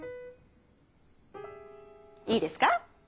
いいですか。